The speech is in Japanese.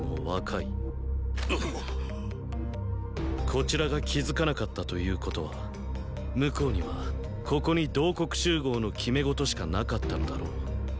こちらが気付かなかったということは向こうにはここに同刻集合の決め事しかなかったのだろう。